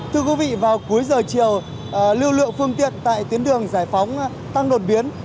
thưa quý vị vào cuối giờ chiều lưu lượng phương tiện tại tuyến đường giải phóng tăng đột biến